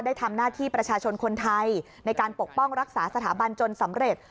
ได้ทำหน้าที่ประชาชนคนไทยในการปกป้องรักษาสถาบันจนสำเร็จ